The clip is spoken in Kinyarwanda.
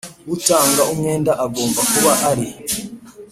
Utanga umwenda agomba kuba ari